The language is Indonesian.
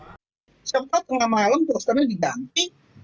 sempat tengah malam posternya diganti